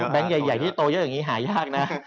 แบงค์ใหญ่ที่โตเยอะอย่างนี้หายากนะ